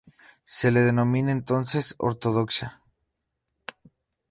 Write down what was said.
Se la denomina entonces ortodoxa.